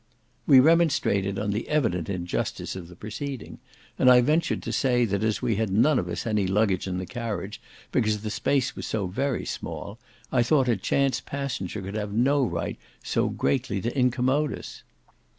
We remonstrated on the evident injustice of the proceeding, and I ventured to say, that as we had none of us any luggage in the carriage, because the space was so very small, I thought a chance passenger could have no right so greatly to incommode us.